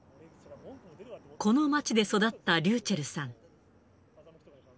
この街で育ったｒｙｕｃｈｅｌｌさん。